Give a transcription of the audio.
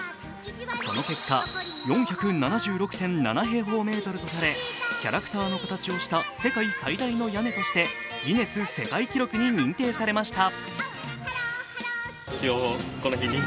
その結果、４７６．７平方メートルとされ、キャラクターの形をした世界最大の屋根としてギネス世界記録に認定されました。